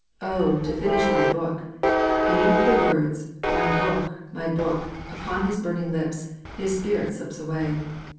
'Oh, to finish my book!' And with the words 'My book! my book!' upon his burning lips, his spirit slips away.